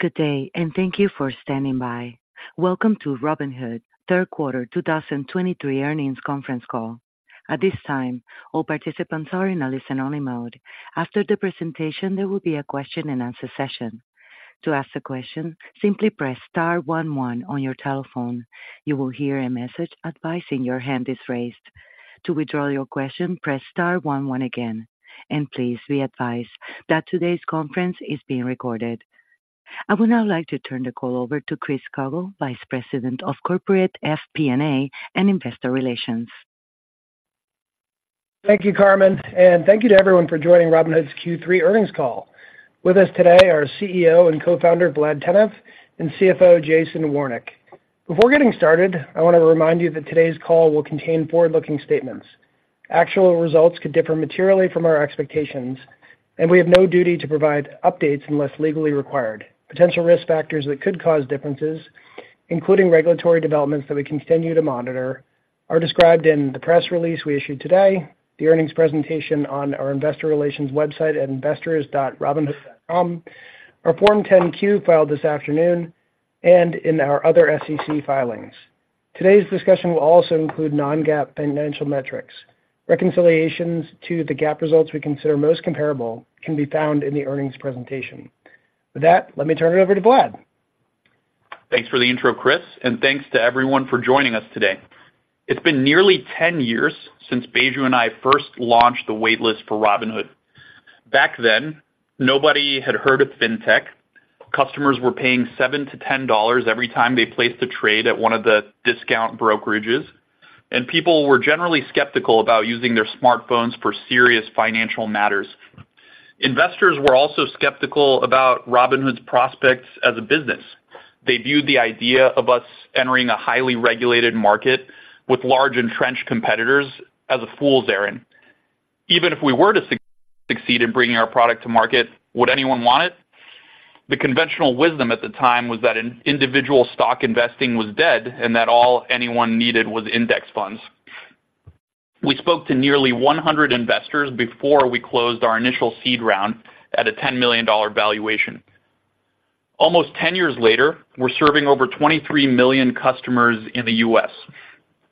Good day, and thank you for standing by. Welcome to Robinhood third quarter 2023 earnings conference call. At this time, all participants are in a listen-only mode. After the presentation, there will be a question-and-answer session. To ask a question, simply press star one one on your telephone. You will hear a message advising your hand is raised. To withdraw your question, press star one one again, and please be advised that today's conference is being recorded. I would now like to turn the call over to Chris Koegel, Vice President of Corporate FP&A and Investor Relations. Thank you, Carmen, and thank you to everyone for joining Robinhood's Q3 earnings call. With us today are CEO and Co-founder, Vlad Tenev, and CFO, Jason Warnick. Before getting started, I want to remind you that today's call will contain forward-looking statements. Actual results could differ materially from our expectations, and we have no duty to provide updates unless legally required. Potential risk factors that could cause differences, including regulatory developments that we continue to monitor, are described in the press release we issued today, the earnings presentation on our investor relations website at investors.robinhood.com, our Form 10-Q filed this afternoon, and in our other SEC filings. Today's discussion will also include non-GAAP financial metrics. Reconciliations to the GAAP results we consider most comparable can be found in the earnings presentation. With that, let me turn it over to Vlad. Thanks for the intro, Chris, and thanks to everyone for joining us today. It's been nearly 10 years since Baiju and I first launched the waitlist for Robinhood. Back then, nobody had heard of fintech, customers were paying $7-$10 every time they placed a trade at one of the discount brokerages, and people were generally skeptical about using their smartphones for serious financial matters. Investors were also skeptical about Robinhood's prospects as a business. They viewed the idea of us entering a highly regulated market with large entrenched competitors as a fool's errand. Even if we were to succeed in bringing our product to market, would anyone want it? The conventional wisdom at the time was that individual stock investing was dead and that all anyone needed was index funds. We spoke to nearly 100 investors before we closed our initial seed round at a $10 million valuation. Almost 10 years later, we're serving over 23 million customers in the U.S.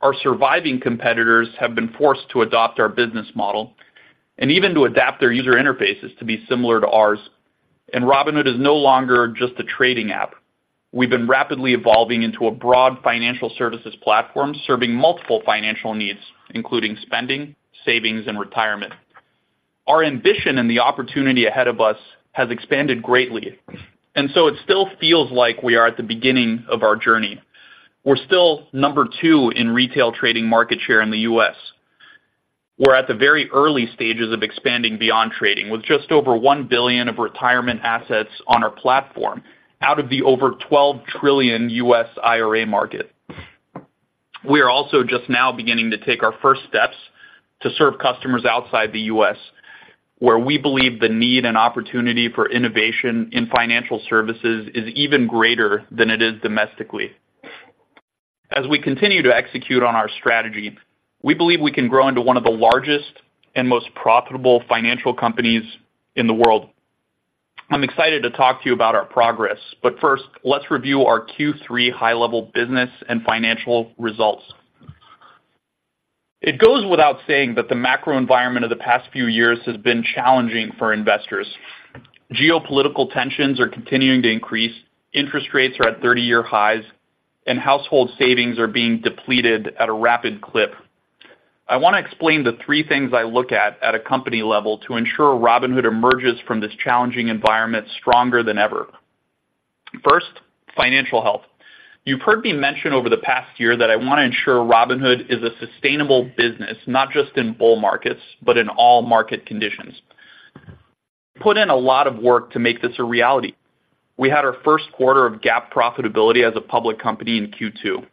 Our surviving competitors have been forced to adopt our business model and even to adapt their user interfaces to be similar to ours, and Robinhood is no longer just a trading app. We've been rapidly evolving into a broad financial services platform, serving multiple financial needs, including spending, savings, and retirement. Our ambition and the opportunity ahead of us has expanded greatly, and so it still feels like we are at the beginning of our journey. We're still number two in retail trading market share in the U.S. We're at the very early stages of expanding beyond trading, with just over $1 billion of retirement assets on our platform, out of the over $12 trillion U.S. IRA market. We are also just now beginning to take our first steps to serve customers outside the U.S., where we believe the need and opportunity for innovation in financial services is even greater than it is domestically. As we continue to execute on our strategy, we believe we can grow into one of the largest and most profitable financial companies in the world. I'm excited to talk to you about our progress, but first, let's review our Q3 high-level business and financial results. It goes without saying that the macro environment of the past few years has been challenging for investors. Geopolitical tensions are continuing to increase, interest rates are at 30-year highs, and household savings are being depleted at a rapid clip. I want to explain the three things I look at at a company level to ensure Robinhood emerges from this challenging environment stronger than ever. First, financial health. You've heard me mention over the past year that I want to ensure Robinhood is a sustainable business, not just in bull markets, but in all market conditions. We put in a lot of work to make this a reality. We had our first quarter of GAAP profitability as a public company in Q2,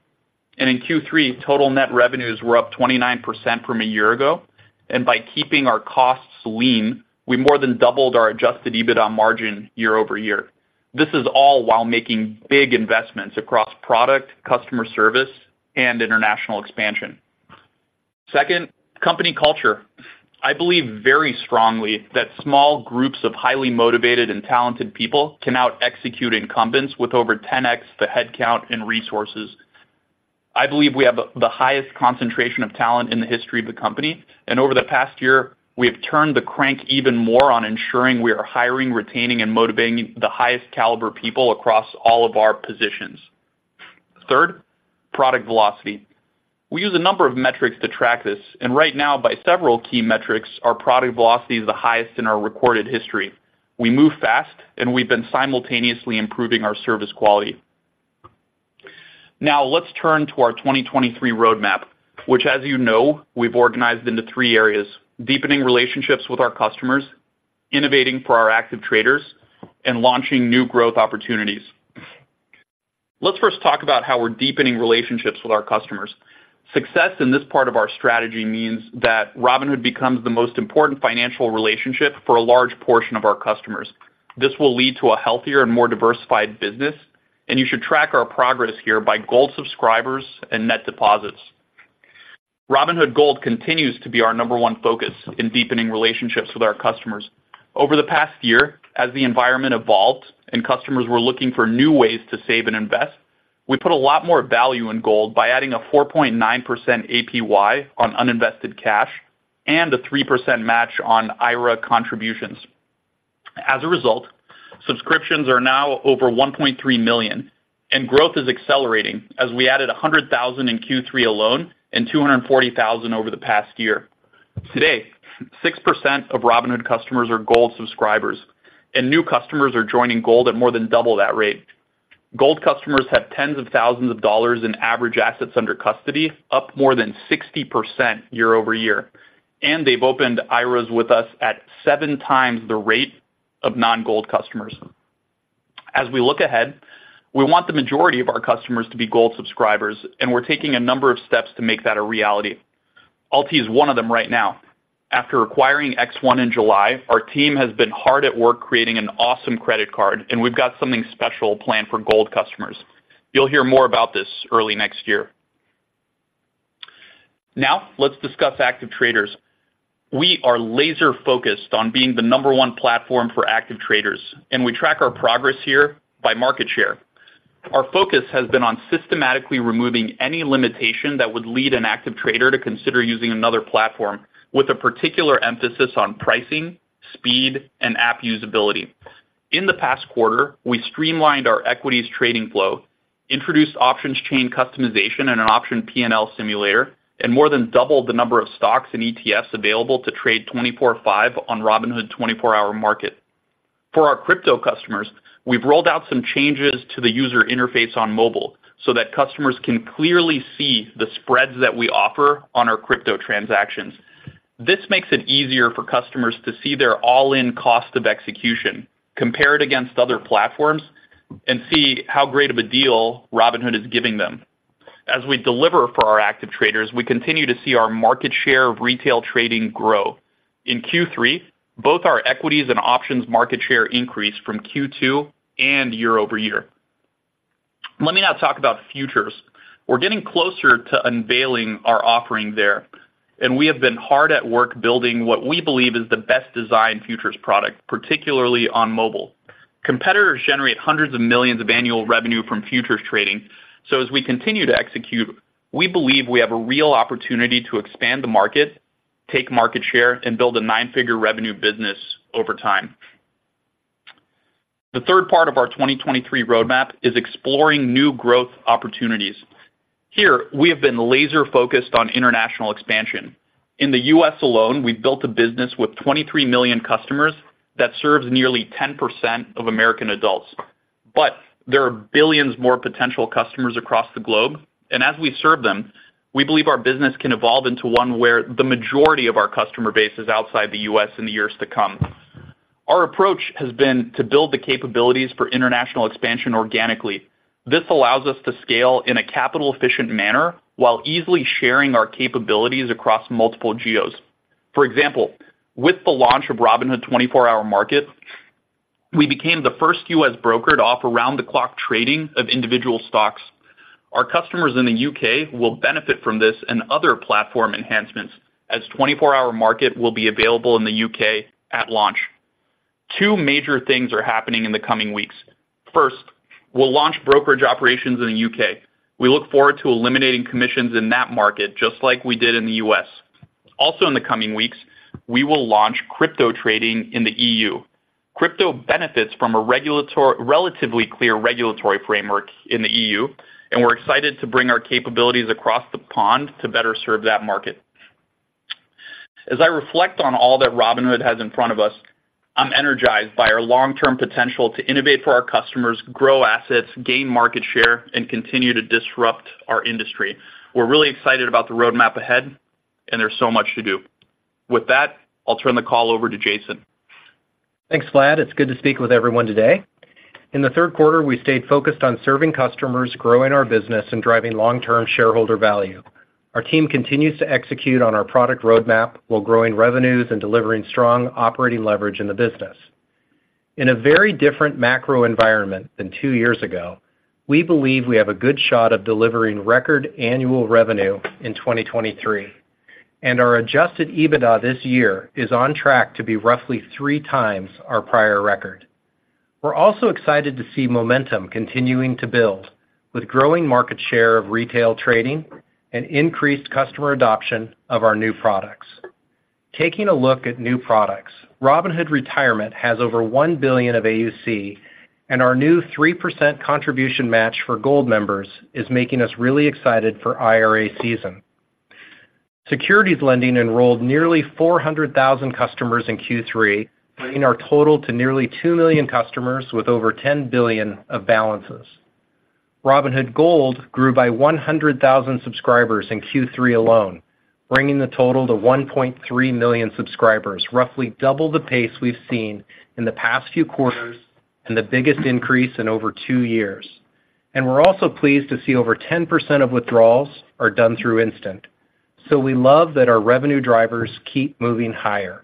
and in Q3, total net revenues were up 29% from a year ago, and by keeping our costs lean, we more than doubled our adjusted EBITDA margin year-over-year. This is all while making big investments across product, customer service, and international expansion. Second, company culture. I believe very strongly that small groups of highly motivated and talented people can out execute incumbents with over 10x the headcount and resources. I believe we have the highest concentration of talent in the history of the company, and over the past year, we have turned the crank even more on ensuring we are hiring, retaining, and motivating the highest caliber people across all of our positions. Third, product velocity. We use a number of metrics to track this, and right now, by several key metrics, our product velocity is the highest in our recorded history. We move fast, and we've been simultaneously improving our service quality. Now, let's turn to our 2023 roadmap, which, as you know, we've organized into three areas: deepening relationships with our customers, innovating for our active traders, and launching new growth opportunities. Let's first talk about how we're deepening relationships with our customers. Success in this part of our strategy means that Robinhood becomes the most important financial relationship for a large portion of our customers. This will lead to a healthier and more diversified business, and you should track our progress here by Gold subscribers and net deposits. Robinhood Gold continues to be our number one focus in deepening relationships with our customers. Over the past year, as the environment evolved and customers were looking for new ways to save and invest, we put a lot more value in Gold by adding a 4.9% APY on uninvested cash and a 3% match on IRA contributions. As a result, subscriptions are now over 1.3 million, and growth is accelerating as we added 100,000 in Q3 alone and 240,000 over the past year. Today, 6% of Robinhood customers are Gold subscribers, and new customers are joining Gold at more than double that rate. Gold customers have tens of thousands of dollars in average assets under custody, up more than 60% year-over-year, and they've opened IRAs with us at seven times the rate of non-Gold customers. As we look ahead, we want the majority of our customers to be Gold subscribers, and we're taking a number of steps to make that a reality. Yield is one of them right now. After acquiring X1 in July, our team has been hard at work creating an awesome credit card, and we've got something special planned for Gold customers. You'll hear more about this early next year. Now, let's discuss active traders. We are laser-focused on being the number one platform for active traders, and we track our progress here by market share. Our focus has been on systematically removing any limitation that would lead an active trader to consider using another platform, with a particular emphasis on pricing, speed, and app usability. In the past quarter, we streamlined our equities trading flow, introduced options chain customization and an option P&L simulator, and more than doubled the number of stocks and ETFs available to trade 24/5 on Robinhood 24 Hour Market. For our crypto customers, we've rolled out some changes to the user interface on mobile so that customers can clearly see the spreads that we offer on our crypto transactions. This makes it easier for customers to see their all-in cost of execution, compare it against other platforms, and see how great of a deal Robinhood is giving them. As we deliver for our active traders, we continue to see our market share of retail trading grow. In Q3, both our equities and options market share increased from Q2 and year-over-year. Let me now talk about futures. We're getting closer to unveiling our offering there, and we have been hard at work building what we believe is the best-designed futures product, particularly on mobile. Competitors generate hundreds of millions of annual revenue from futures trading. So as we continue to execute, we believe we have a real opportunity to expand the market, take market share, and build a nine-figure revenue business over time. The third part of our 2023 roadmap is exploring new growth opportunities. Here, we have been laser-focused on international expansion. In the U.S. alone, we've built a business with 23 million customers that serves nearly 10% of American adults. But there are billions more potential customers across the globe, and as we serve them, we believe our business can evolve into one where the majority of our customer base is outside the U.S. in the years to come. Our approach has been to build the capabilities for international expansion organically. This allows us to scale in a capital-efficient manner while easily sharing our capabilities across multiple geos. For example, with the launch of Robinhood 24 Hour Market, we became the first U.S. broker to offer around-the-clock trading of individual stocks. Our customers in the U.K. will benefit from this and other platform enhancements, as 24 Hour Market will be available in the U.K. at launch. Two major things are happening in the coming weeks. First, we'll launch brokerage operations in the U.K. We look forward to eliminating commissions in that market, just like we did in the U.S. Also, in the coming weeks, we will launch crypto trading in the EU Crypto benefits from a relatively clear regulatory framework in the EU, and we're excited to bring our capabilities across the pond to better serve that market. As I reflect on all that Robinhood has in front of us, I'm energized by our long-term potential to innovate for our customers, grow assets, gain market share, and continue to disrupt our industry. We're really excited about the roadmap ahead, and there's so much to do. With that, I'll turn the call over to Jason. Thanks, Vlad. It's good to speak with everyone today. In the third quarter, we stayed focused on serving customers, growing our business, and driving long-term shareholder value. Our team continues to execute on our product roadmap while growing revenues and delivering strong operating leverage in the business. In a very different macro environment than two years ago, we believe we have a good shot of delivering record annual revenue in 2023, and our adjusted EBITDA this year is on track to be roughly three times our prior record. We're also excited to see momentum continuing to build, with growing market share of retail trading and increased customer adoption of our new products. Taking a look at new products, Robinhood Retirement has over $1 billion of AUC, and our new 3% contribution match for Gold members is making us really excited for IRA season. Securities lending enrolled nearly 400,000 customers in Q3, bringing our total to nearly two million customers with over $10 billion of balances. Robinhood Gold grew by 100,000 subscribers in Q3 alone, bringing the total to 1.3 million subscribers, roughly double the pace we've seen in the past few quarters and the biggest increase in over two years. We're also pleased to see over 10% of withdrawals are done through Instant. We love that our revenue drivers keep moving higher.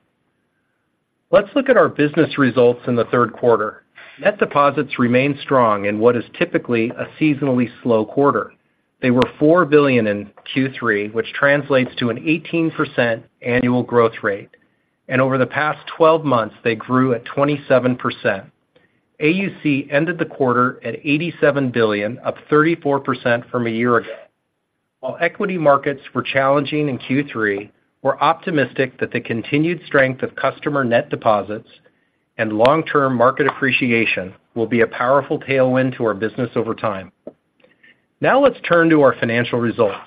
Let's look at our business results in the third quarter. Net deposits remained strong in what is typically a seasonally slow quarter. They were $4 billion in Q3, which translates to an 18% annual growth rate, and over the past 12 months, they grew at 27%. AUC ended the quarter at $87 billion, up 34% from a year ago. While equity markets were challenging in Q3, we're optimistic that the continued strength of customer net deposits and long-term market appreciation will be a powerful tailwind to our business over time. Now let's turn to our financial results.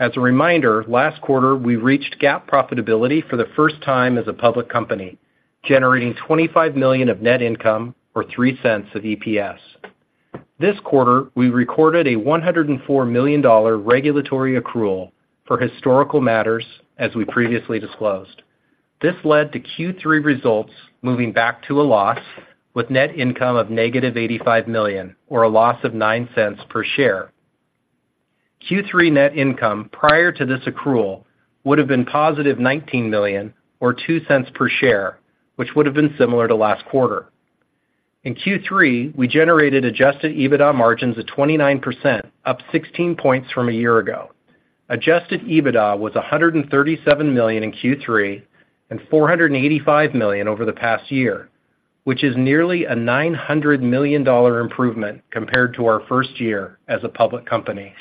As a reminder, last quarter, we reached GAAP profitability for the first time as a public company, generating $25 million of net income, or $0.03 of EPS. This quarter, we recorded a $104 million regulatory accrual for historical matters, as we previously disclosed. This led to Q3 results moving back to a loss, with net income of -$85 million, or a loss of $0.04 per share. Q3 net income, prior to this accrual, would have been $19 million or $0.02 per share, which would have been similar to last quarter. In Q3, we generated adjusted EBITDA margins of 29%, up 16 points from a year ago. Adjusted EBITDA was $137 million in Q3 and $485 million over the past year, which is nearly a $900 million improvement compared to our first year as a public company.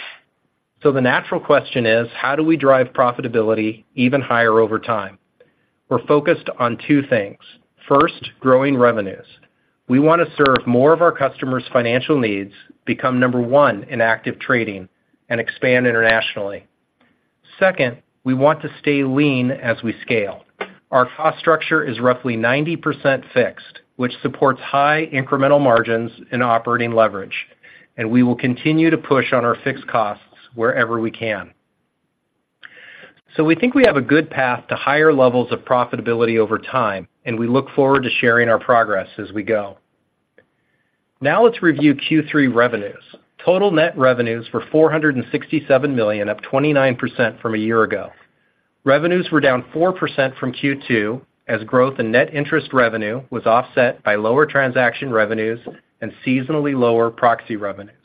So the natural question is: How do we drive profitability even higher over time? We're focused on two things. First, growing revenues. We want to serve more of our customers' financial needs, become number one in active trading, and expand internationally. Second, we want to stay lean as we scale. Our cost structure is roughly 90% fixed, which supports high incremental margins and operating leverage, and we will continue to push on our fixed costs wherever we can. So we think we have a good path to higher levels of profitability over time, and we look forward to sharing our progress as we go. Now let's review Q3 revenues. Total net revenues were $467 million, up 29% from a year ago. Revenues were down 4% from Q2, as growth in net interest revenue was offset by lower transaction revenues and seasonally lower proxy revenues.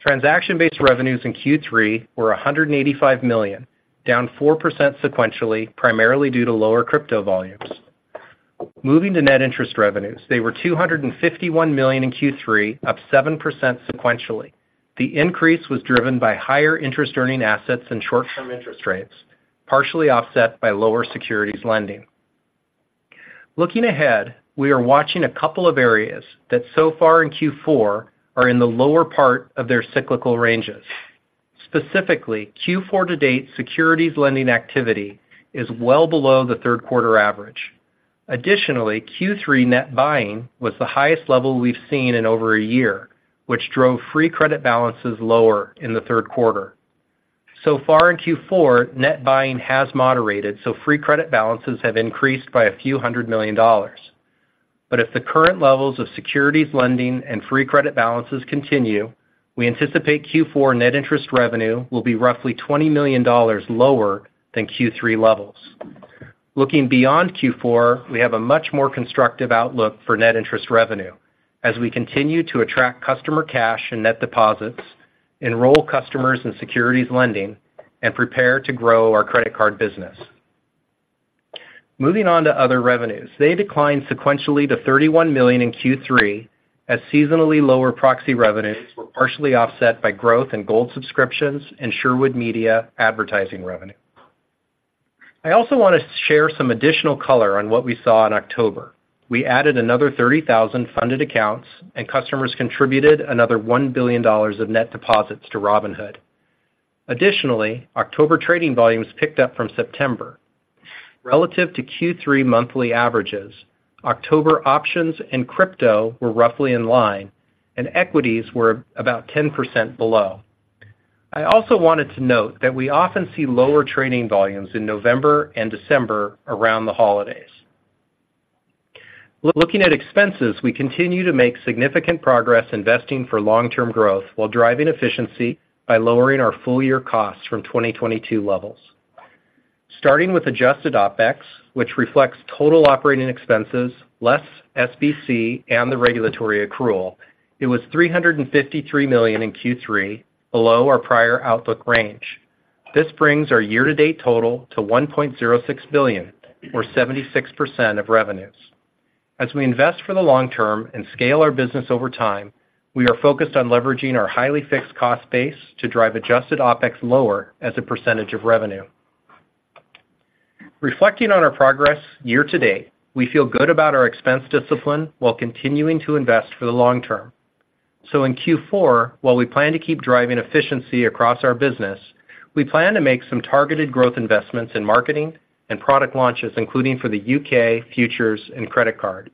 Transaction-based revenues in Q3 were $185 million, down 4% sequentially, primarily due to lower crypto volumes. Moving to net interest revenues, they were $251 million in Q3, up 7% sequentially. The increase was driven by higher interest earning assets and short-term interest rates, partially offset by lower securities lending. Looking ahead, we are watching a couple of areas that so far in Q4 are in the lower part of their cyclical ranges. Specifically, Q4 to date, securities lending activity is well below the third quarter average. Additionally, Q3 net buying was the highest level we've seen in over a year, which drove free credit balances lower in the third quarter. So far in Q4, net buying has moderated, so free credit balances have increased by a few hundred million dollars. But if the current levels of securities lending and free credit balances continue, we anticipate Q4 net interest revenue will be roughly $20 million lower than Q3 levels. Looking beyond Q4, we have a much more constructive outlook for net interest revenue as we continue to attract customer cash and net deposits, enroll customers in securities lending, and prepare to grow our credit card business. Moving on to other revenues. They declined sequentially to $31 million in Q3, as seasonally lower proxy revenues were partially offset by growth in Gold subscriptions and Sherwood Media advertising revenue. I also want to share some additional color on what we saw in October. We added another 30,000 funded accounts, and customers contributed another $1 billion of net deposits to Robinhood. Additionally, October trading volumes picked up from September. Relative to Q3 monthly averages, October options and crypto were roughly in line, and equities were about 10% below. I also wanted to note that we often see lower trading volumes in November and December around the holidays. Looking at expenses, we continue to make significant progress investing for long-term growth while driving efficiency by lowering our full year costs from 2022 levels. Starting with adjusted OpEx, which reflects total operating expenses less SBC and the regulatory accrual, it was $353 million in Q3, below our prior outlook range. This brings our year-to-date total to $1.06 billion, or 76% of revenues. As we invest for the long term and scale our business over time, we are focused on leveraging our highly fixed cost base to drive adjusted OpEx lower as a percentage of revenue. Reflecting on our progress year to date, we feel good about our expense discipline while continuing to invest for the long term. So in Q4, while we plan to keep driving efficiency across our business, we plan to make some targeted growth investments in marketing and product launches, including for the U.K., futures, and credit card.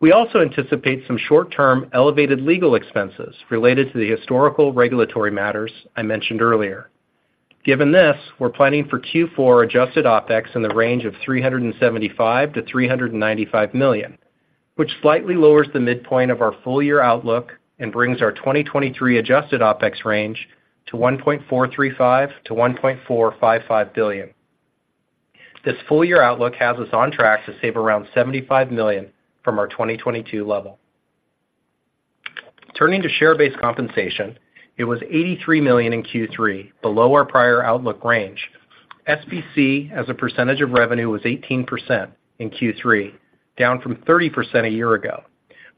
We also anticipate some short-term elevated legal expenses related to the historical regulatory matters I mentioned earlier. Given this, we're planning for Q4 adjusted OpEx in the range of $375 million-$395 million, which slightly lowers the midpoint of our full year outlook and brings our 2023 adjusted OpEx range to $1.435 billion-$1.455 billion. This full year outlook has us on track to save around $75 million from our 2022 level. Turning to share-based compensation, it was $83 million in Q3, below our prior outlook range. SBC, as a percentage of revenue, was 18% in Q3, down from 30% a year ago.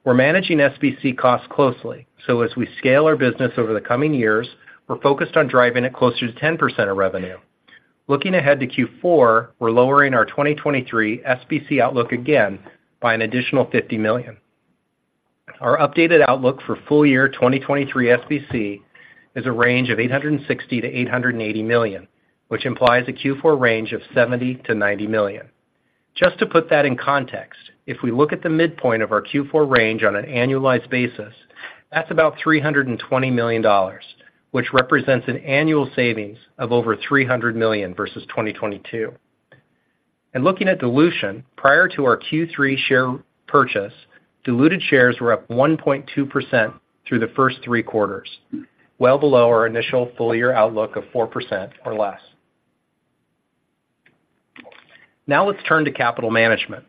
We're managing SBC costs closely, so as we scale our business over the coming years, we're focused on driving it closer to 10% of revenue. Looking ahead to Q4, we're lowering our 2023 SBC outlook again by an additional $50 million. Our updated outlook for full year 2023 SBC is a range of $860 million-$880 million, which implies a Q4 range of $70 million-$90 million. Just to put that in context, if we look at the midpoint of our Q4 range on an annualized basis, that's about $320 million, which represents an annual savings of over $300 million versus 2022. Looking at dilution, prior to our Q3 share purchase, diluted shares were up 1.2% through the first three quarters, well below our initial full year outlook of 4% or less. Now let's turn to capital management.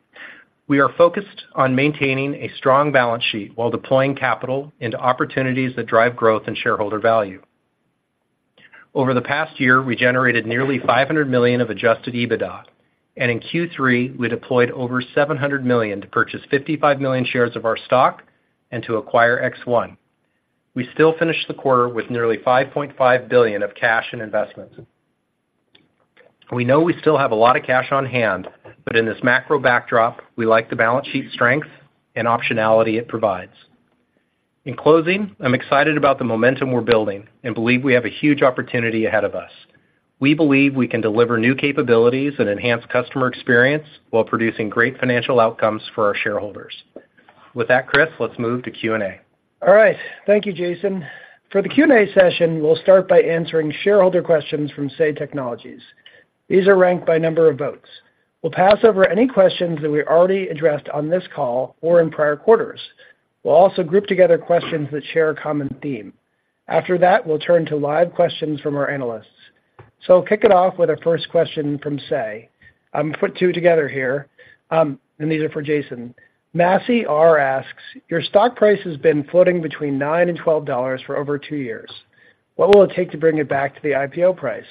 We are focused on maintaining a strong balance sheet while deploying capital into opportunities that drive growth and shareholder value. Over the past year, we generated nearly $500 million of adjusted EBITDA, and in Q3, we deployed over $700 million to purchase 55 million shares of our stock and to acquire X1. We still finished the quarter with nearly $5.5 billion of cash and investments. We know we still have a lot of cash on hand, but in this macro backdrop, we like the balance sheet strength and optionality it provides. In closing, I'm excited about the momentum we're building and believe we have a huge opportunity ahead of us. We believe we can deliver new capabilities and enhance customer experience while producing great financial outcomes for our shareholders. With that, Chris, let's move to Q&A. All right. Thank you, Jason. For the Q&A session, we'll start by answering shareholder questions from Say Technologies. These are ranked by number of votes. We'll pass over any questions that we already addressed on this call or in prior quarters. We'll also group together questions that share a common theme. After that, we'll turn to live questions from our analysts. So I'll kick it off with our first question from Say. I'm going to put two together here, and these are for Jason. Massey R. asks, "Your stock price has been floating between $9-$12 for over two years. What will it take to bring it back to the IPO price?"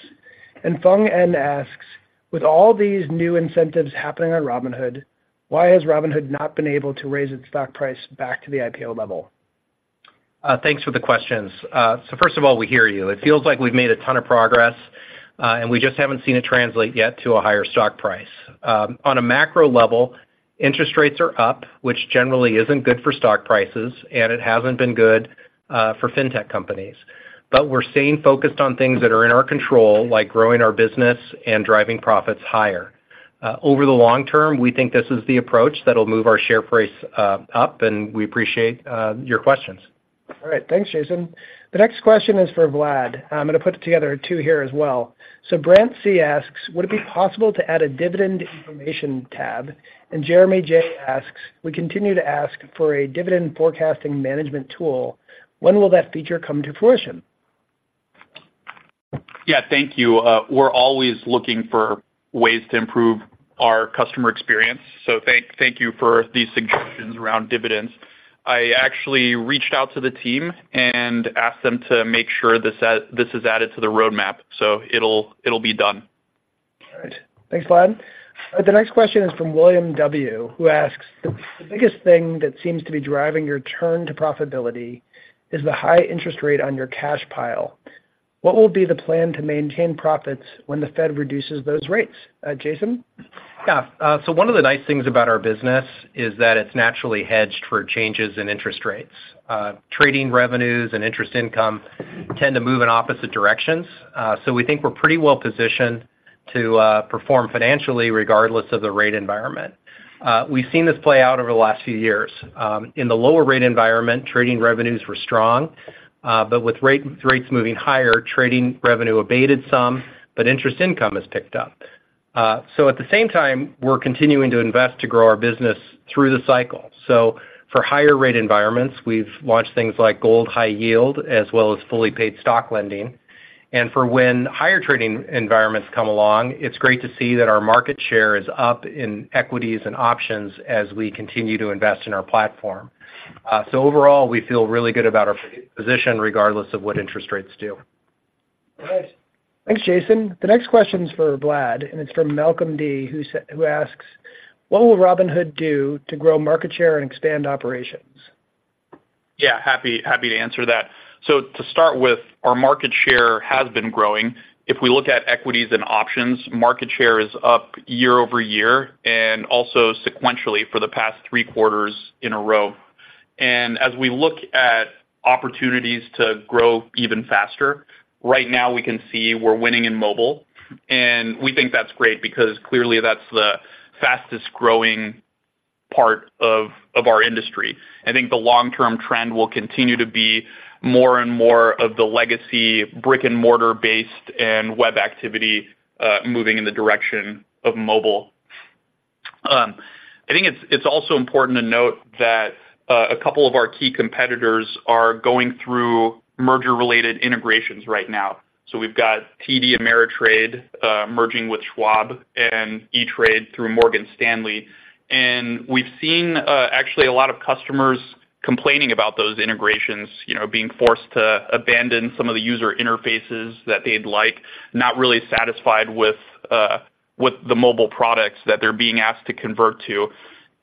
And Fung N. asks, "With all these new incentives happening on Robinhood, why has Robinhood not been able to raise its stock price back to the IPO level? Thanks for the questions. First of all, we hear you. It feels like we've made a ton of progress, and we just haven't seen it translate yet to a higher stock price. On a macro level, interest rates are up, which generally isn't good for stock prices, and it hasn't been good for fintech companies. But we're staying focused on things that are in our control, like growing our business and driving profits higher. Over the long term, we think this is the approach that will move our share price up, and we appreciate your questions. All right. Thanks, Jason. The next question is for Vlad. I'm gonna put together two here as well. So Brandt C. asks, "Would it be possible to add a dividend information tab?" And Jeremy J. asks, "We continue to ask for a dividend forecasting management tool. When will that feature come to fruition? Yeah, thank you. We're always looking for ways to improve our customer experience, so thank you for these suggestions around dividends. I actually reached out to the team and asked them to make sure this is added to the roadmap, so it'll be done. All right. Thanks, Vlad. The next question is from William W., who asks, "The biggest thing that seems to be driving your turn to profitability is the high interest rate on your cash pile. What will be the plan to maintain profits when the Fed reduces those rates?" Jason? Yeah, so one of the nice things about our business is that it's naturally hedged for changes in interest rates. Trading revenues and interest income tend to move in opposite directions, so we think we're pretty well positioned to perform financially, regardless of the rate environment. We've seen this play out over the last few years. In the lower rate environment, trading revenues were strong, but with rates moving higher, trading revenue abated some, but interest income has picked up. So at the same time, we're continuing to invest to grow our business through the cycle. So for higher rate environments, we've launched things like Gold high yield, as well as fully paid stock lending. For when higher trading environments come along, it's great to see that our market share is up in equities and options as we continue to invest in our platform. So overall, we feel really good about our position, regardless of what interest rates do. All right. Thanks, Jason. The next question is for Vlad, and it's from Malcolm D., who asks: "What will Robinhood do to grow market share and expand operations? Yeah, happy, happy to answer that. So to start with, our market share has been growing. If we look at equities and options, market share is up year-over-year and also sequentially for the past three quarters in a row. And as we look at opportunities to grow even faster, right now, we can see we're winning in mobile, and we think that's great because clearly, that's the fastest growing part of our industry. I think the long-term trend will continue to be more and more of the legacy, brick-and-mortar based and web activity moving in the direction of mobile. I think it's also important to note that a couple of our key competitors are going through merger-related integrations right now. So we've got TD Ameritrade merging with Schwab and E*TRADE through Morgan Stanley. We've seen, actually, a lot of customers complaining about those integrations, you know, being forced to abandon some of the user interfaces that they'd like, not really satisfied with, with the mobile products that they're being asked to convert to.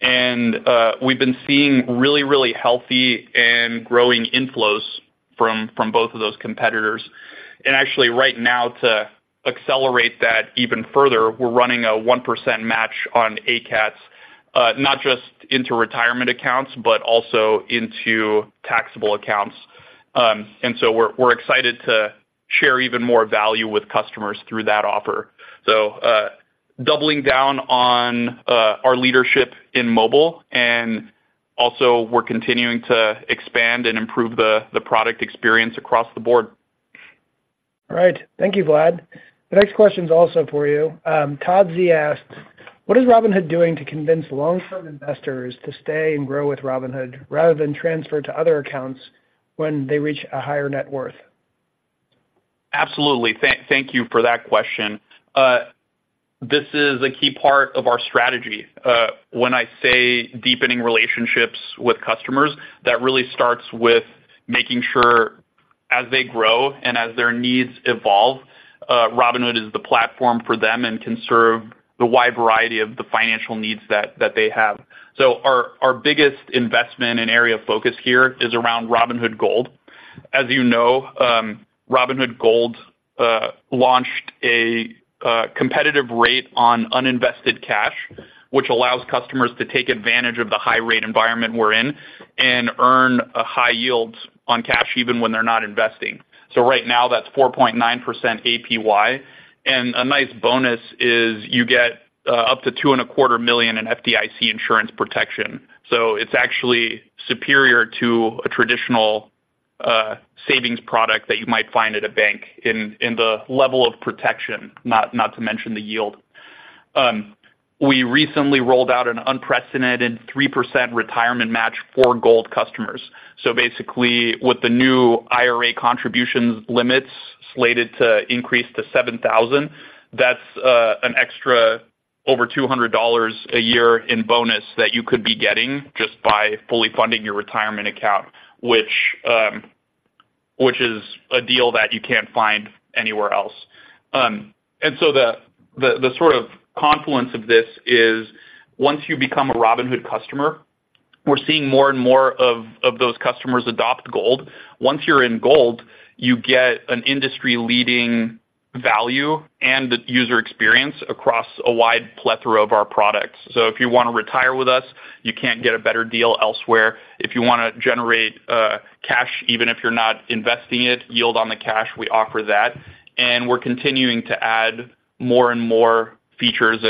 And, we've been seeing really, really healthy and growing inflows from, from both of those competitors. And actually, right now, to accelerate that even further, we're running a 1% match on ACATS, not just into retirement accounts, but also into taxable accounts. And so we're, we're excited to share even more value with customers through that offer. So, doubling down on, our leadership in mobile, and also we're continuing to expand and improve the, the product experience across the board. All right. Thank you, Vlad. The next question is also for you. Todd Z. asks: What is Robinhood doing to convince long-term investors to stay and grow with Robinhood rather than transfer to other accounts when they reach a higher net worth? Absolutely. Thank you for that question. This is a key part of our strategy. When I say deepening relationships with customers, that really starts with making sure as they grow and as their needs evolve, Robinhood is the platform for them and can serve the wide variety of the financial needs that, that they have. So our, our biggest investment and area of focus here is around Robinhood Gold. As you know, Robinhood Gold launched a competitive rate on uninvested cash, which allows customers to take advantage of the high-rate environment we're in and earn a high yield on cash, even when they're not investing. So right now, that's 4.9% APY, and a nice bonus is you get up to $2.25 million in FDIC insurance protection. So it's actually superior to a traditional savings product that you might find at a bank in the level of protection, not to mention the yield. We recently rolled out an unprecedented 3% retirement match for Gold customers. So basically, with the new IRA contributions limits slated to increase to 7,000, that's an extra over $200 a year in bonus that you could be getting just by fully funding your retirement account, which is a deal that you can't find anywhere else. And so the sort of confluence of this is, once you become a Robinhood customer, we're seeing more and more of those customers adopt Gold. Once you're in Gold, you get an industry-leading value and the user experience across a wide plethora of our products. So if you wanna retire with us, you can't get a better deal elsewhere. If you wanna generate cash, even if you're not investing it, yield on the cash, we offer that, and we're continuing to add more and more features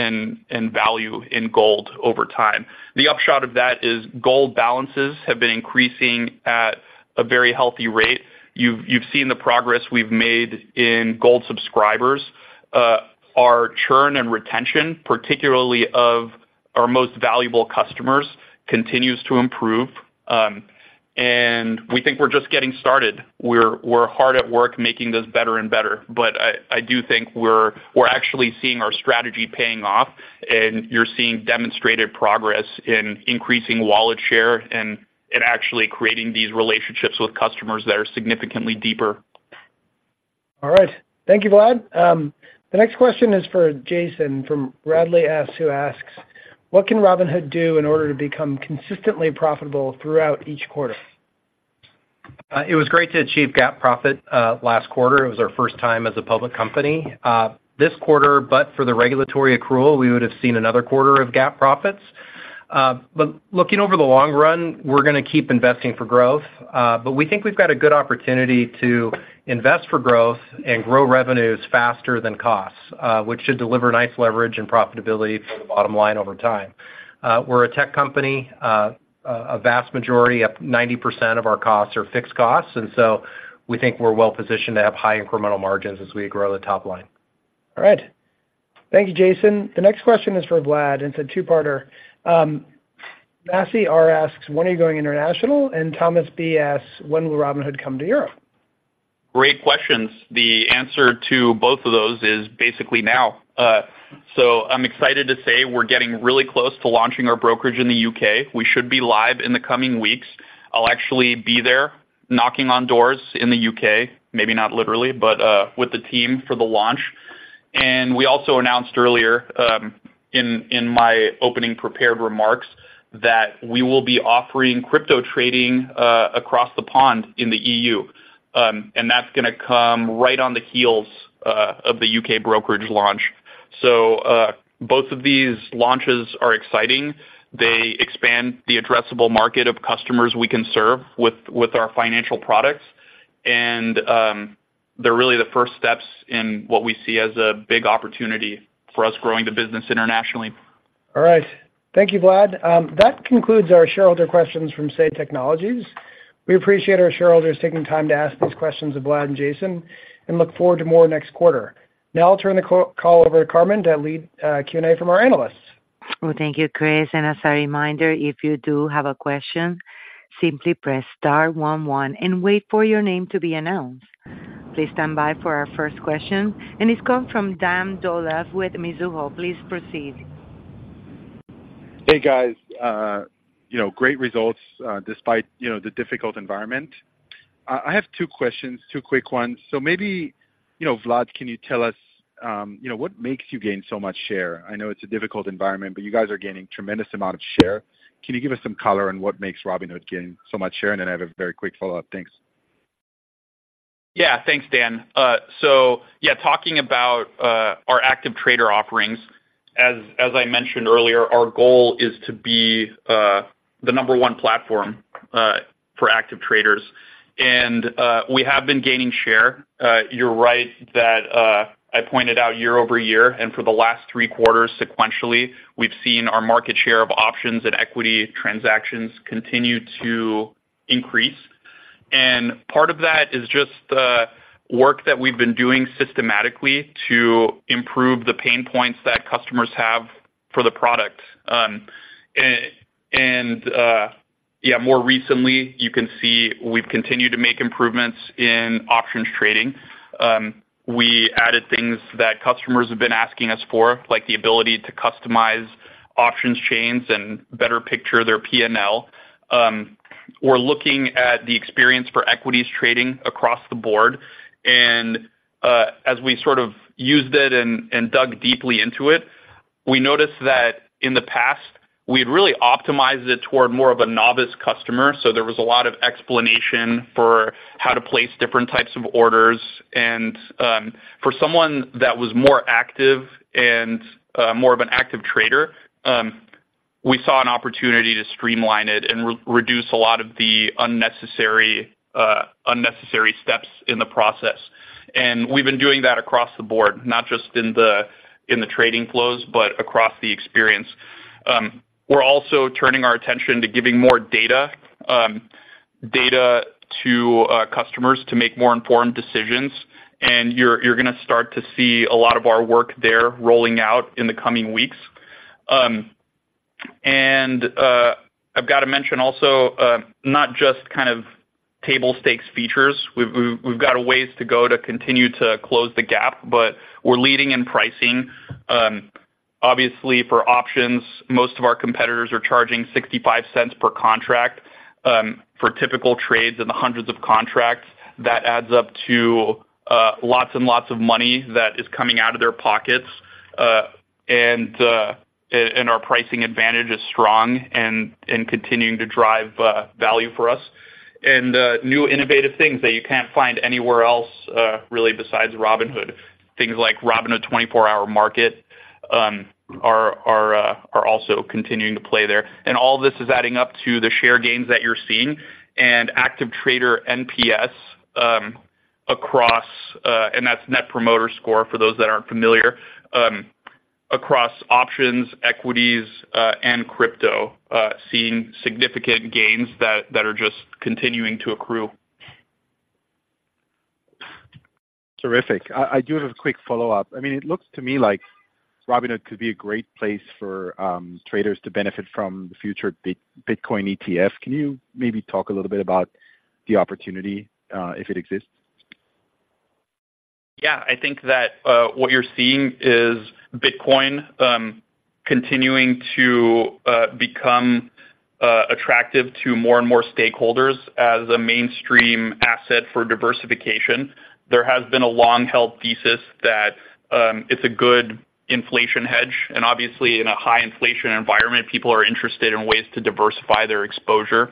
and value in Gold over time. The upshot of that is Gold balances have been increasing at a very healthy rate. You've seen the progress we've made in Gold subscribers. Our churn and retention, particularly of our most valuable customers, continues to improve. And we think we're just getting started. We're hard at work making this better and better, but I do think we're actually seeing our strategy paying off, and you're seeing demonstrated progress in increasing wallet share and actually creating these relationships with customers that are significantly deeper. All right. Thank you, Vlad. The next question is for Jason, from Bradley S., who asks: What can Robinhood do in order to become consistently profitable throughout each quarter? It was great to achieve GAAP profit last quarter. It was our first time as a public company. This quarter, but for the regulatory accrual, we would have seen another quarter of GAAP profits. But looking over the long run, we're gonna keep investing for growth, but we think we've got a good opportunity to invest for growth and grow revenues faster than costs, which should deliver nice leverage and profitability for the bottom line over time. We're a tech company. A vast majority, up 90% of our costs are fixed costs, and so we think we're well-positioned to have high incremental margins as we grow the top line All right. Thank you, Jason. The next question is for Vlad. It's a two-parter. Massey R. asks: When are you going international? And Thomas B. asks: When will Robinhood come to Europe? Great questions. The answer to both of those is basically now. So I'm excited to say we're getting really close to launching our brokerage in the U.K. We should be live in the coming weeks. I'll actually be there knocking on doors in the U.K., maybe not literally, but with the team for the launch. We also announced earlier in my opening prepared remarks that we will be offering crypto trading across the pond in the EU, and that's gonna come right on the heels of the U.K. brokerage launch. Both of these launches are exciting. They expand the addressable market of customers we can serve with our financial products, and they're really the first steps in what we see as a big opportunity for us growing the business internationally. All right. Thank you, Vlad. That concludes our shareholder questions from Say Technologies. We appreciate our shareholders taking time to ask these questions of Vlad and Jason, and look forward to more next quarter. Now I'll turn the call over to Carmen to lead Q&A from our analysts. Well, thank you, Chris. And as a reminder, if you do have a question, simply press star one, one, and wait for your name to be announced. Please stand by for our first question, and it's come from Dan Dolev with Mizuho. Please proceed. Hey, guys. You know, great results despite you know, the difficult environment. I have two questions, two quick ones. So maybe, you know, Vlad, can you tell us, you know, what makes you gain so much share? I know it's a difficult environment, but you guys are gaining tremendous amount of share. Can you give us some color on what makes Robinhood gain so much share? And then I have a very quick follow-up. Thanks. Yeah, thanks, Dan. So yeah, talking about our active trader offerings, as I mentioned earlier, our goal is to be the number one platform for active traders, and we have been gaining share. You're right that I pointed out year-over-year, and for the last three quarters sequentially, we've seen our market share of options and equity transactions continue to increase. And part of that is just the work that we've been doing systematically to improve the pain points that customers have for the product. Yeah, more recently, you can see we've continued to make improvements in options trading. We added things that customers have been asking us for, like the ability to customize options chains and better picture their P&L. We're looking at the experience for equities trading across the board, and as we sort of used it and dug deeply into it, we noticed that in the past, we'd really optimized it toward more of a novice customer. So there was a lot of explanation for how to place different types of orders. And for someone that was more active and more of an active trader, we saw an opportunity to streamline it and reduce a lot of the unnecessary steps in the process. And we've been doing that across the board, not just in the trading flows, but across the experience. We're also turning our attention to giving more data to customers to make more informed decisions, and you're going to start to see a lot of our work there rolling out in the coming weeks. I've got to mention also, not just kind of table stakes features. We've got a ways to go to continue to close the gap, but we're leading in pricing. Obviously, for options, most of our competitors are charging $0.65 per contract. For typical trades in the hundreds of contracts, that adds up to lots and lots of money that is coming out of their pockets. And our pricing advantage is strong and continuing to drive value for us. New innovative things that you can't find anywhere else, really, besides Robinhood. Things like Robinhood 24 Hour Market are also continuing to play there. And all this is adding up to the share gains that you're seeing and active trader NPS across, and that's Net Promoter Score for those that aren't familiar, across options, equities, and crypto, seeing significant gains that are just continuing to accrue. Terrific. I do have a quick follow-up. I mean, it looks to me like Robinhood could be a great place for traders to benefit from the future Bitcoin ETF. Can you maybe talk a little bit about the opportunity, if it exists? Yeah, I think that what you're seeing is Bitcoin continuing to become attractive to more and more stakeholders as a mainstream asset for diversification. There has been a long-held thesis that it's a good inflation hedge, and obviously in a high inflation environment, people are interested in ways to diversify their exposure.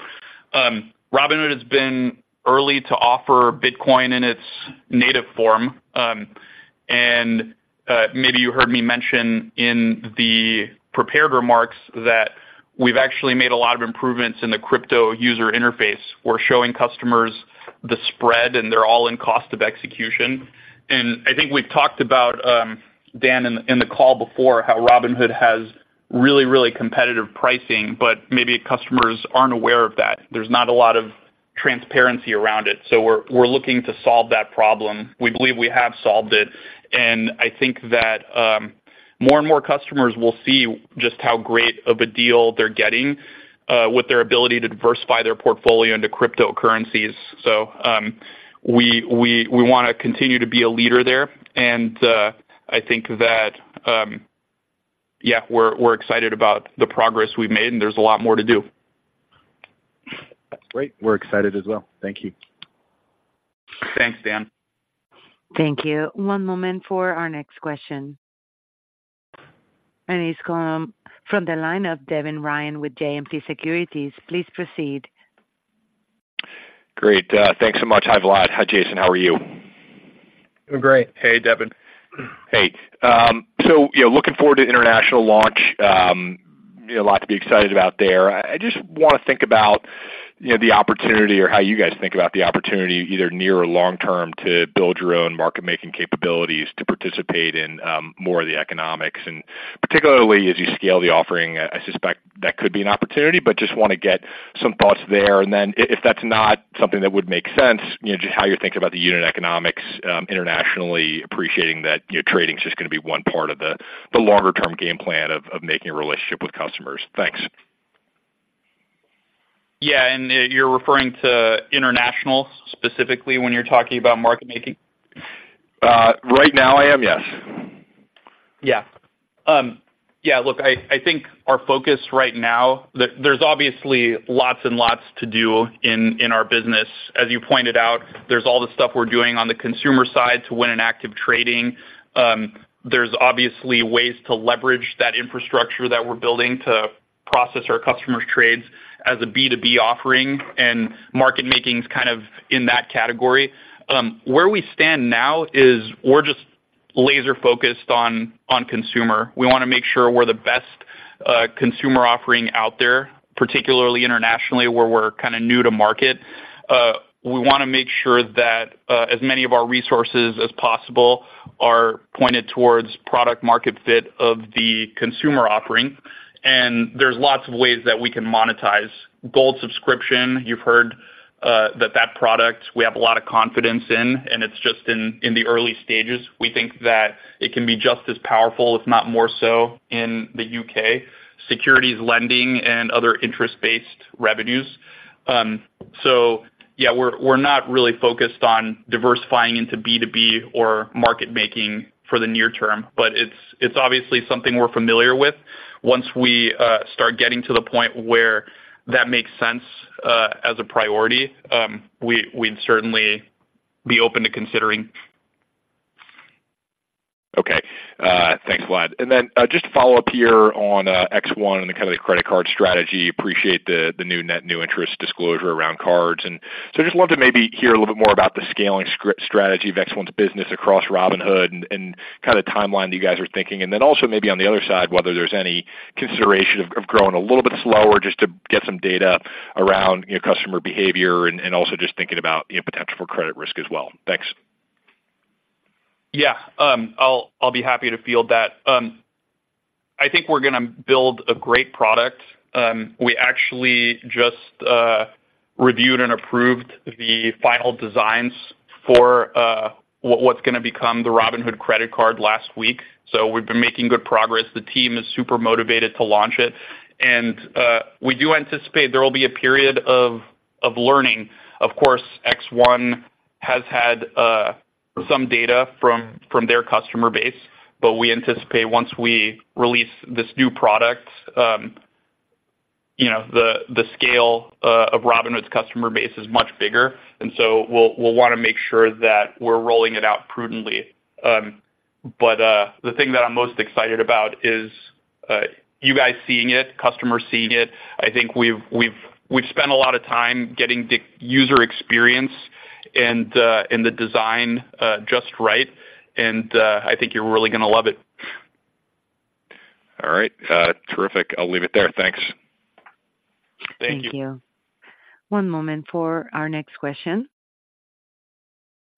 Robinhood has been early to offer Bitcoin in its native form. And maybe you heard me mention in the prepared remarks that we've actually made a lot of improvements in the crypto user interface. We're showing customers the spread, and they're all in cost of execution. And I think we've talked about Dan in the call before, how Robinhood has really, really competitive pricing, but maybe customers aren't aware of that. There's not a lot of transparency around it, so we're looking to solve that problem. We believe we have solved it, and I think that more and more customers will see just how great of a deal they're getting with their ability to diversify their portfolio into cryptocurrencies. We want to continue to be a leader there, and I think that we're excited about the progress we've made, and there's a lot more to do. Great. We're excited as well. Thank you. Thanks, Dan. Thank you. One moment for our next question. It's come from the line of Devin Ryan with JMP Securities. Please proceed. Great. Thanks so much. Hi, Vlad. Hi, Jason. How are you? Doing great. Hey, Devin. Hey, so, you know, looking forward to international launch. You know, a lot to be excited about there. I just wanna think about, you know, the opportunity or how you guys think about the opportunity, either near or long term, to build your own market-making capabilities, to participate in more of the economics. And particularly as you scale the offering, I suspect that could be an opportunity, but just wanna get some thoughts there. And then if that's not something that would make sense, you know, just how you're thinking about the unit economics, internationally, appreciating that, you know, trading is just gonna be one part of the longer term game plan of making a relationship with customers. Thanks. Yeah, and you're referring to international, specifically when you're talking about market making? Right now I am, yes. Yeah. Yeah, look, I think our focus right now, there's obviously lots and lots to do in our business. As you pointed out, there's all the stuff we're doing on the consumer side to win in active trading. There's obviously ways to leverage that infrastructure that we're building to process our customers' trades as a B2B offering, and market making is kind of in that category. Where we stand now is we're just laser focused on consumer. We wanna make sure we're the best consumer offering out there, particularly internationally, where we're kinda new to market. We wanna make sure that as many of our resources as possible are pointed towards product market fit of the consumer offering, and there's lots of ways that we can monetize. Gold subscription, you've heard, that, that product we have a lot of confidence in, and it's just in the early stages. We think that it can be just as powerful, if not more so, in the U.K. Securities lending and other interest-based revenues. So yeah, we're not really focused on diversifying into B2B or market making for the near term, but it's obviously something we're familiar with. Once we start getting to the point where that makes sense, as a priority, we'd certainly be open to considering. Okay. Thanks a lot. And then, just to follow up here on X1 and the kind of the credit card strategy, appreciate the net new interest disclosure around cards. And so I just wanted to maybe hear a little bit more about the scaling strategy of X1's business across Robinhood and kinda timeline that you guys are thinking. And then also, maybe on the other side, whether there's any consideration of growing a little bit slower just to get some data around, you know, customer behavior and also just thinking about, you know, potential for credit risk as well. Thanks. Yeah, I'll be happy to field that. I think we're gonna build a great product. We actually just reviewed and approved the final designs for what's gonna become the Robinhood credit card last week, so we've been making good progress. The team is super motivated to launch it, and we do anticipate there will be a period of learning. Of course, X1 has had some data from their customer base, but we anticipate once we release this new product, you know, the scale of Robinhood's customer base is much bigger, and so we'll wanna make sure that we're rolling it out prudently. But the thing that I'm most excited about is you guys seeing it, customers seeing it. I think we've spent a lot of time getting the user experience and the design just right, and I think you're really gonna love it. All right. Terrific. I'll leave it there. Thanks. Thank you. Thank you. One moment for our next question.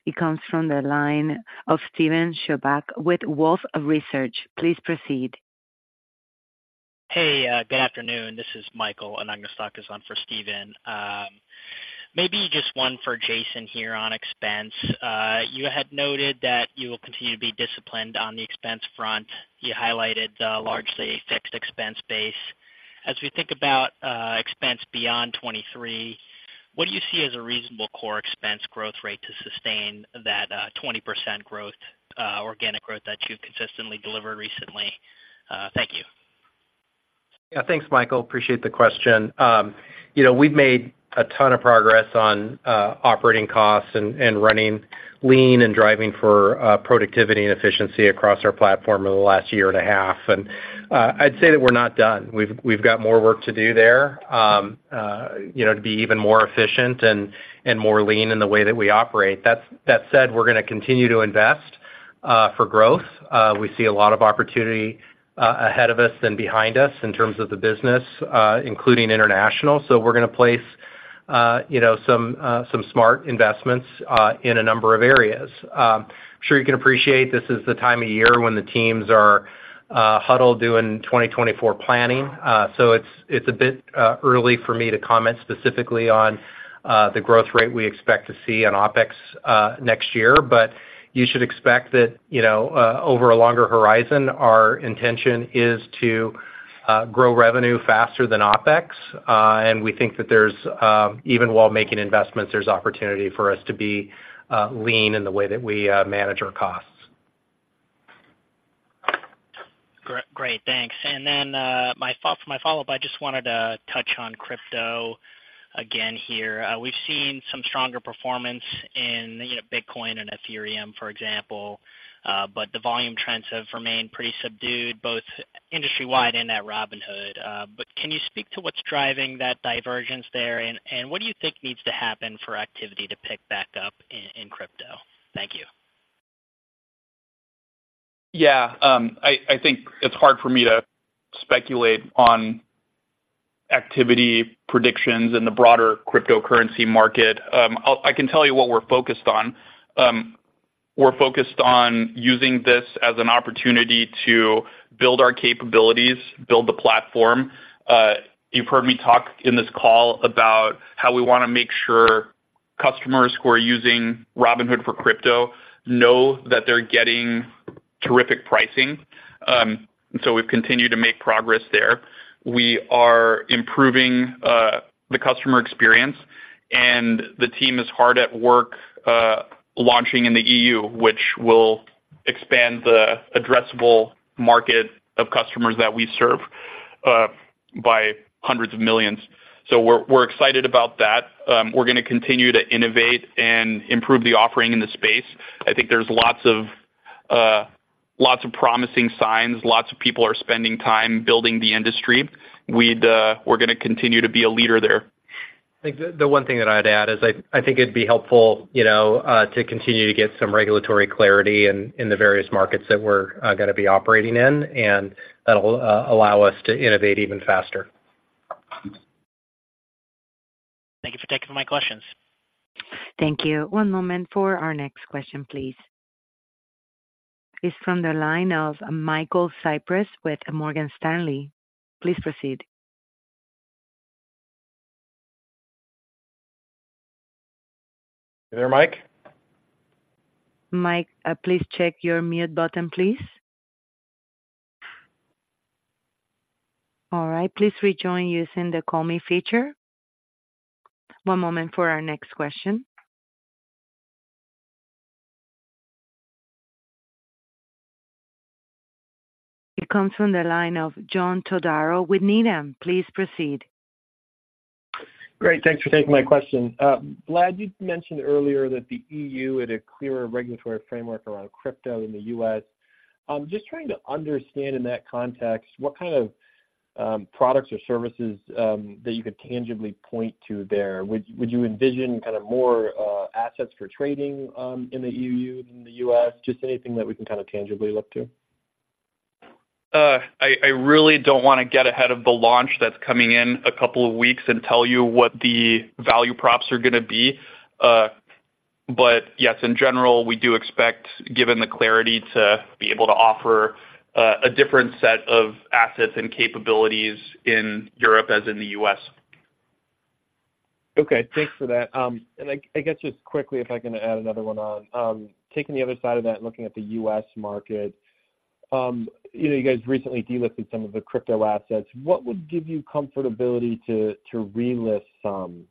It comes from the line of Steven Chubak with Wolfe Research. Please proceed. Hey, good afternoon. This is Michael, and I'm gonna start this one for Steven. Maybe just one for Jason here on expense. You had noted that you will continue to be disciplined on the expense front. You highlighted the largely fixed expense base. As we think about expense beyond 2023, what do you see as a reasonable core expense growth rate to sustain that 20% growth organic growth that you've consistently delivered recently? Thank you. Yeah, thanks, Michael. Appreciate the question. You know, we've made a ton of progress on operating costs and running lean and driving for productivity and efficiency across our platform over the last year and a half. And I'd say that we're not done. We've got more work to do there, you know, to be even more efficient and more lean in the way that we operate. That said, we're gonna continue to invest for growth. We see a lot of opportunity ahead of us than behind us in terms of the business, including international. So we're gonna place you know some smart investments in a number of areas. I'm sure you can appreciate this is the time of year when the teams are huddled doing 2024 planning. So it's a bit early for me to comment specifically on the growth rate we expect to see on OpEx next year. But you should expect that, you know, over a longer horizon, our intention is to grow revenue faster than OpEx. And we think that there's even while making investments, there's opportunity for us to be lean in the way that we manage our costs. Great. Great, thanks. And then, my follow-up, I just wanted to touch on crypto again here. We've seen some stronger performance in, you know, Bitcoin and Ethereum, for example, but the volume trends have remained pretty subdued, both industry-wide and at Robinhood. But can you speak to what's driving that divergence there? And what do you think needs to happen for activity to pick back up in crypto? Thank you. Yeah, I think it's hard for me to speculate on activity predictions in the broader cryptocurrency market. I'll-- I can tell you what we're focused on. We're focused on using this as an opportunity to build our capabilities, build the platform. You've heard me talk in this call about how we wanna make sure customers who are using Robinhood for crypto know that they're getting terrific pricing. So we've continued to make progress there. We are improving the customer experience, and the team is hard at work launching in the EU, which will expand the addressable market of customers that we serve by hundreds of millions. So we're excited about that. We're gonna continue to innovate and improve the offering in the space. I think there's lots of lots of promising signs. Lots of people are spending time building the industry. We'd, we're gonna continue to be a leader there. I think the one thing that I'd add is I think it'd be helpful, you know, to continue to get some regulatory clarity in the various markets that we're gonna be operating in, and that'll allow us to innovate even faster. Thank you for taking my questions. Thank you. One moment for our next question, please. It's from the line of Michael Cyprys with Morgan Stanley. Please proceed. You there, Mike? Mike, please check your mute button, please. All right, please rejoin using the call me feature. One moment for our next question. It comes from the line of John Todaro with Needham. Please proceed. Great, thanks for taking my question. Vlad, you mentioned earlier that the EU had a clearer regulatory framework around crypto in the U.S. Just trying to understand in that context, what kind of products or services that you could tangibly point to there? Would you envision kind of more assets for trading in the EU than the U.S.? Just anything that we can kind of tangibly look to? I really don't wanna get ahead of the launch that's coming in a couple of weeks and tell you what the value props are gonna be. But yes, in general, we do expect, given the clarity, to be able to offer a different set of assets and capabilities in Europe as in the U.S. Okay, thanks for that. And I guess, just quickly, if I can add another one on. Taking the other side of that, looking at the U.S. market, you know, you guys recently delisted some of the crypto assets. What would give you comfortability to relist some?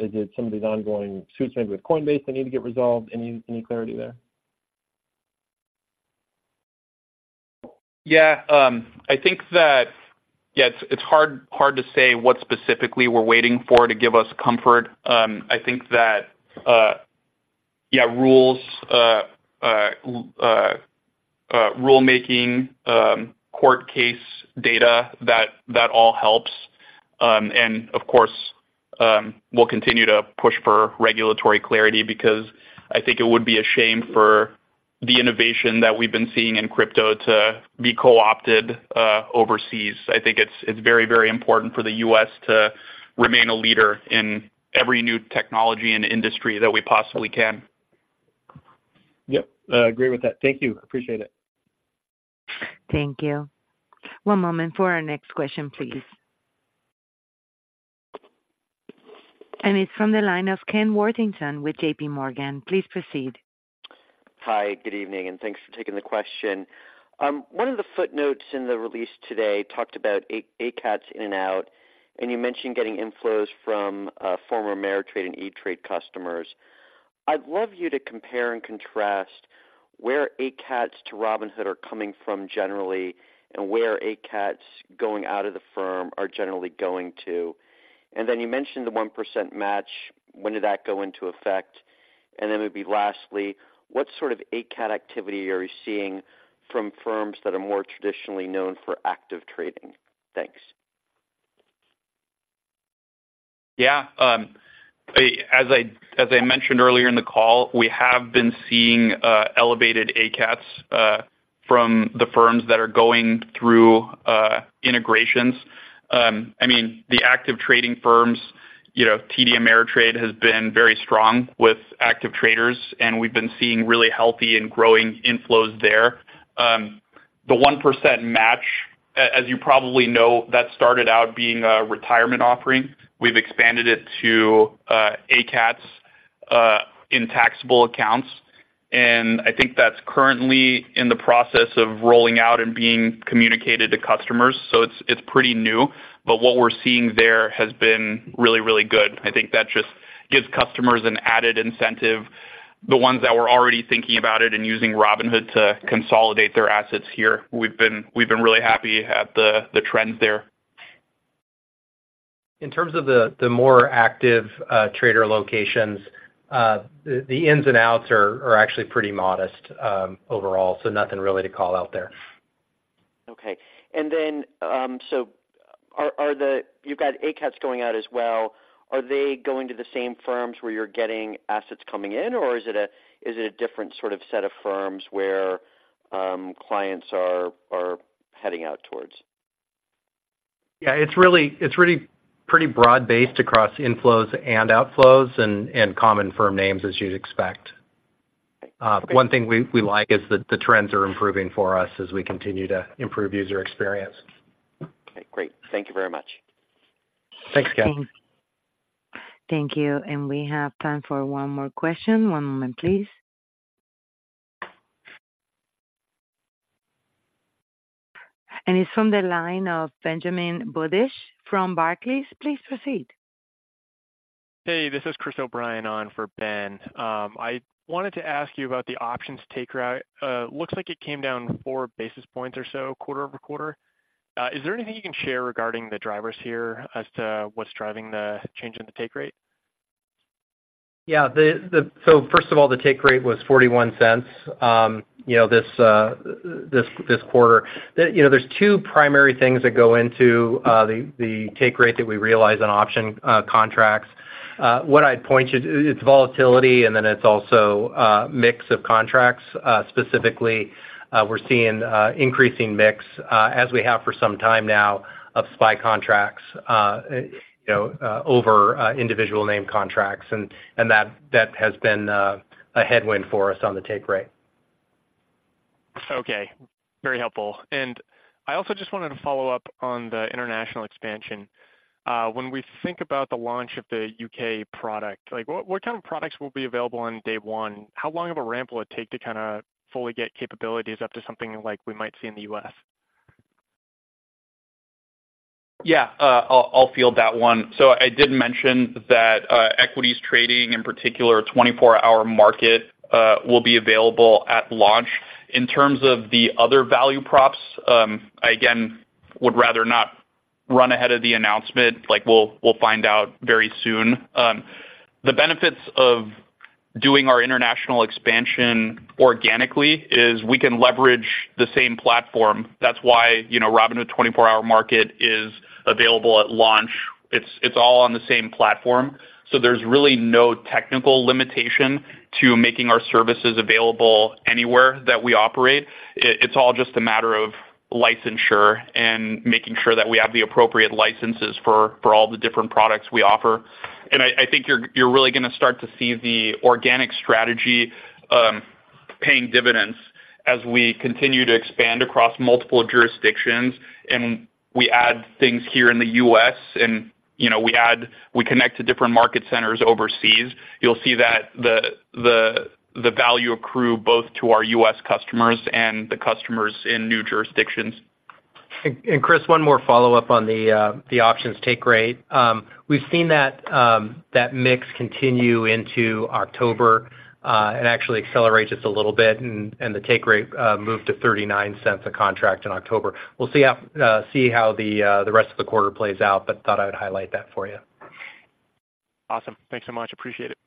Is it some of these ongoing suits maybe with Coinbase that need to get resolved? Any clarity there? Yeah, I think that, yeah, it's hard to say what specifically we're waiting for to give us comfort. I think that, yeah, rules, rulemaking, court case data, that all helps. And of course, we'll continue to push for regulatory clarity because I think it would be a shame for the innovation that we've been seeing in crypto to be co-opted overseas. I think it's very, very important for the U.S. to remain a leader in every new technology and industry that we possibly can. Yep, I agree with that. Thank you. Appreciate it. Thank you. One moment for our next question, please. It's from the line of Ken Worthington with JPMorgan. Please proceed. Hi, good evening, and thanks for taking the question. One of the footnotes in the release today talked about ACATS in and out, and you mentioned getting inflows from former Ameritrade and E*TRADE customers. I'd love you to compare and contrast where ACATS to Robinhood are coming from generally, and where ACATS going out of the firm are generally going to. And then you mentioned the 1% match. When did that go into effect? And then it'd be, lastly, what sort of ACAT activity are you seeing from firms that are more traditionally known for active trading? Thanks. Yeah, as I mentioned earlier in the call, we have been seeing elevated ACATS from the firms that are going through integrations. I mean, the active trading firms, you know, TD Ameritrade has been very strong with active traders, and we've been seeing really healthy and growing inflows there. The 1% match, as you probably know, that started out being a retirement offering. We've expanded it to ACATS in taxable accounts, and I think that's currently in the process of rolling out and being communicated to customers. So it's pretty new, but what we're seeing there has been really, really good. I think that just gives customers an added incentive, the ones that were already thinking about it and using Robinhood to consolidate their assets here. We've been really happy at the trends there. In terms of the more active trader locations, the ins and outs are actually pretty modest overall, so nothing really to call out there. Okay. And then, so are the ACATS going out as well. Are they going to the same firms where you're getting assets coming in, or is it a different sort of set of firms where clients are heading out towards? Yeah, it's really, it's really pretty broad-based across inflows and outflows and common firm names, as you'd expect. One thing we like is that the trends are improving for us as we continue to improve user experience. Okay, great. Thank you very much. Thanks, Ken. Thank you. We have time for one more question. One moment, please. It's from the line of Benjamin Budish from Barclays. Please proceed. Hey, this is Chris O'Brien on for Ben. I wanted to ask you about the options take rate. It looks like it came down four basis points or so quarter-over-quarter. Is there anything you can share regarding the drivers here as to what's driving the change in the take rate? Yeah. So first of all, the take rate was $0.41, you know, this quarter. You know, there's two primary things that go into the take rate that we realize on option contracts. What I'd point you, it's volatility, and then it's also mix of contracts. Specifically, we're seeing increasing mix, as we have for some time now, of SPY contracts, you know, over individual name contracts, and that has been a headwind for us on the take rate. Okay, very helpful. And I also just wanted to follow up on the international expansion. When we think about the launch of the U.K. product, like, what, what kind of products will be available on day one? How long of a ramp will it take to kind of fully get capabilities up to something like we might see in the U.S.? Yeah, I'll, I'll field that one. So I did mention that, equities trading, in particular, a 24-hour market, will be available at launch. In terms of the other value props, I again, would rather not run ahead of the announcement, like, we'll, we'll find out very soon. The benefits of doing our international expansion organically is we can leverage the same platform. That's why, you know, Robinhood 24 Hour Market is available at launch. It's, it's all on the same platform, so there's really no technical limitation to making our services available anywhere that we operate. It, it's all just a matter of licensure and making sure that we have the appropriate licenses for, for all the different products we offer. I think you're really going to start to see the organic strategy paying dividends as we continue to expand across multiple jurisdictions, and we add things here in the U.S., and, you know, we add, we connect to different market centers overseas. You'll see that the value accrue both to our U.S. customers and the customers in new jurisdictions. And, Chris, one more follow-up on the options take rate. We've seen that mix continue into October, and actually accelerate just a little bit, and the take rate move to $0.39 a contract in October. We'll see how the rest of the quarter plays out, but thought I would highlight that for you. Awesome. Thanks so much. Appreciate it.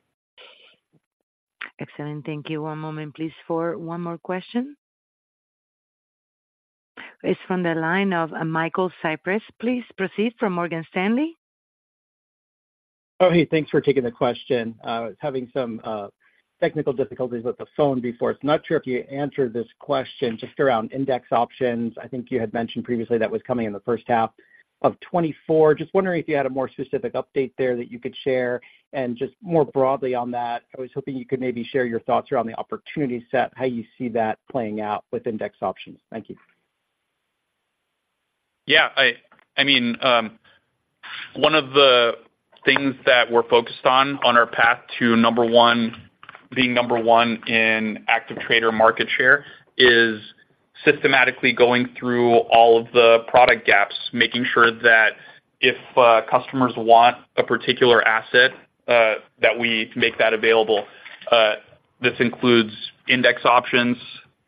Excellent. Thank you. One moment, please, for one more question. It's from the line of Michael Cyprys. Please proceed, from Morgan Stanley. Oh, hey, thanks for taking the question. I was having some technical difficulties with the phone before. So I'm not sure if you answered this question just around index options. I think you had mentioned previously that was coming in the first half of 2024. Just wondering if you had a more specific update there that you could share. And just more broadly on that, I was hoping you could maybe share your thoughts around the opportunity set, how you see that playing out with index options. Thank you. Yeah, I mean, one of the things that we're focused on on our path to number one, being number one in active trader market share, is systematically going through all of the product gaps, making sure that if customers want a particular asset, that we make that available. This includes index options,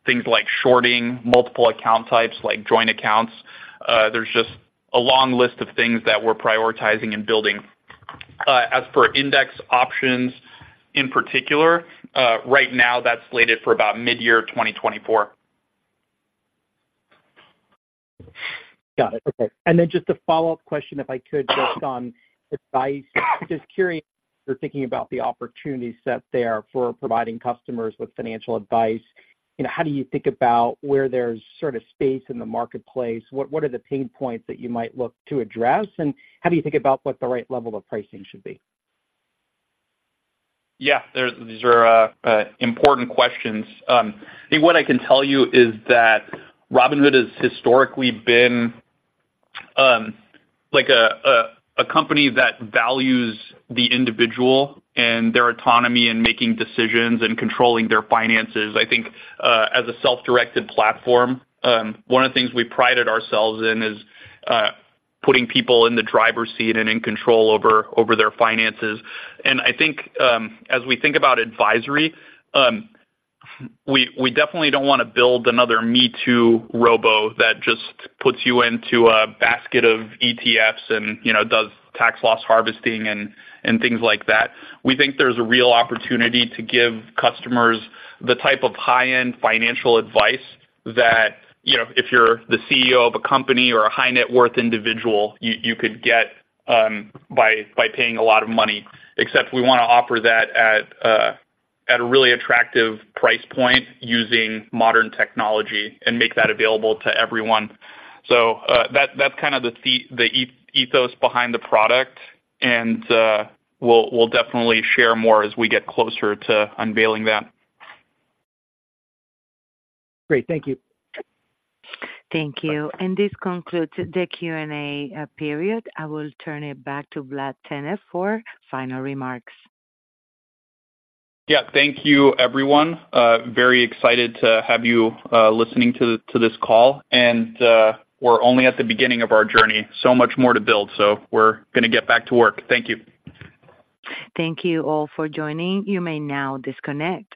things like shorting, multiple account types, like joint accounts. There's just a long list of things that we're prioritizing and building. As for index options, in particular, right now, that's slated for about midyear 2024. Got it. Okay. And then just a follow-up question, if I could, just on advice. Just curious, you're thinking about the opportunity set there for providing customers with financial advice. You know, how do you think about where there's sort of space in the marketplace? What are the pain points that you might look to address, and how do you think about what the right level of pricing should be? Yeah, these are important questions. I think what I can tell you is that Robinhood has historically been like a company that values the individual and their autonomy in making decisions and controlling their finances. I think as a self-directed platform one of the things we prided ourselves in is putting people in the driver's seat and in control over their finances. And I think as we think about advisory we definitely don't want to build another me-too robo that just puts you into a basket of ETFs and you know does tax loss harvesting and things like that. We think there's a real opportunity to give customers the type of high-end financial advice that, you know, if you're the CEO of a company or a high net worth individual, you could get by paying a lot of money, except we want to offer that at a really attractive price point using modern technology and make that available to everyone. So, that's kind of the ethos behind the product, and we'll definitely share more as we get closer to unveiling that. Great. Thank you. Thank you. This concludes the Q&A period. I will turn it back to Vlad Tenev for final remarks. Yeah. Thank you, everyone. Very excited to have you listening to this call, and we're only at the beginning of our journey. So much more to build, so we're going to get back to work. Thank you. Thank you all for joining. You may now disconnect.